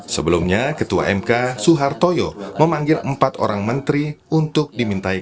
sebelumnya ketua mk suhar toyo memanggil empat orang menteri untuk dimintaikan